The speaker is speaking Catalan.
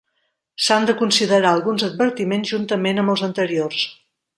S'han de considerar alguns advertiments juntament amb els anteriors.